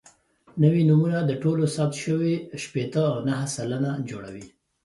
نوي نومونه د ټولو ثبت شویو شپېته او نهه سلنه جوړوي.